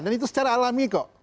dan itu secara alami kok